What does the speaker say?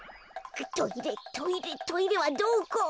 トイレトイレトイレはどこ？